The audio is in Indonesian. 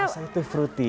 rasanya itu fruity